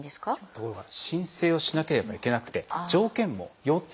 ところが申請をしなければいけなくて条件も４つ。